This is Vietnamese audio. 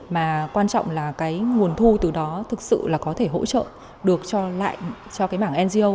mà quan trọng là nguồn thu từ đó thực sự có thể hỗ trợ được cho mảng ngo